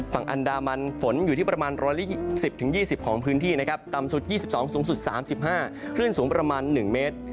ฝั่งอันดามันฝนอยู่ที่ประมาณ๑๒๐๒๐ของพื้นที่นะครับต่ำสุด๒๒สูงสุด๓๕คลื่นสูงประมาณ๑เมตร